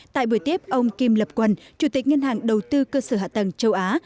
tại buổi tiếp ông kim lập quân chủ tịch ngân hàng đầu tư cơ sở hạ tầng châu á